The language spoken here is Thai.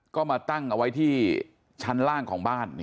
ก็มาตั้งเอาไว้ที่ชั้นล่างของบ้าน